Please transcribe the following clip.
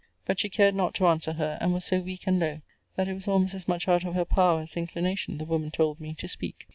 But she cared not to answer her: and was so weak and low, that it was almost as much out of her power as inclination, the woman told me, to speak.